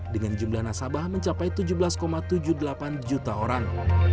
dengan jumlah nasabah mencapai tujuh belas tujuh puluh delapan juta orang